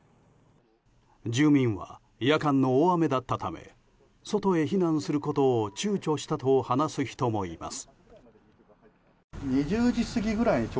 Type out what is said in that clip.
住民は夜間の大雨だったため外へ避難することをちゅうちょしたと話す人もいます。